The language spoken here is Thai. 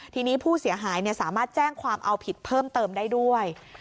ทีนี้ผู้เสียหายสามารถแจ้งความเอาผิดเพิ่มเติมได้ด้วย